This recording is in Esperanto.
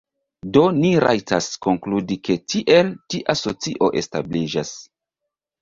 Do ni rajtas konkludi ke tiel tia socio establiĝas.